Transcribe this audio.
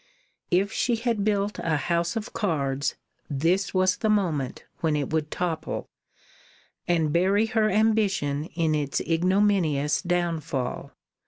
If she had built a house of cards, this was the moment when it would topple, and bury her ambition in its ignominious downfall.